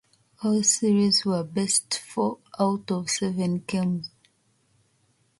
All series were best four-out-of-seven games.